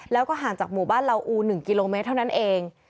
แล้วก็ห่างจากหมู่บ้านเหล่าอู๑กิโลเมตรเท่านั้นเอง